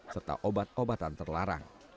serta obat obatan terlarang